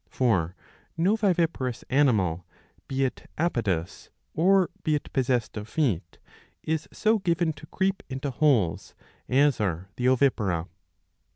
^6 For no viviparous animal, be it apodous '^'^ or be it possessed of feet, is so given to creep into holes as are the ovipara.